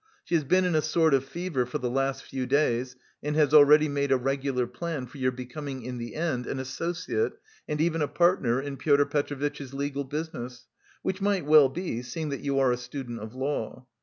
She has been in a sort of fever for the last few days, and has already made a regular plan for your becoming in the end an associate and even a partner in Pyotr Petrovitch's business, which might well be, seeing that you are a student of law.